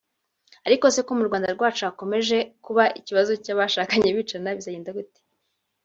arikose ko mu Rwanda rwacu hakimeje kuba ikibazo cyabashakanye bicana bizagenda gute